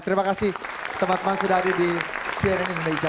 terima kasih teman teman sudari di cnn indonesia